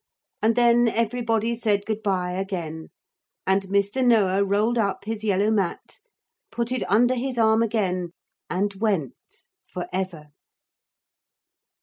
And then everybody said good bye again, and Mr. Noah rolled up his yellow mat, put it under his arm again, and went for ever.